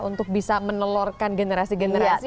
untuk bisa menelorkan generasi generasi